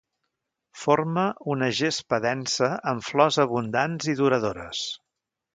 Forma una gespa densa amb flors abundants i duradores.